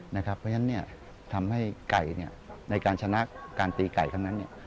เพราะฉะนั้นทำให้ไก่ในการชนะการตีไก่ครั้งนั้น